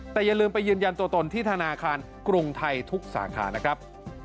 แต่อย่าลืมไปยืนยันตัวตนที่ธนาคารกรุงไทยทุกสาขานะครับ